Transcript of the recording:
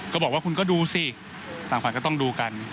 ก็บอกว่าคุณก็ดูสิต่างฝ่ายก็ต้องดูกัน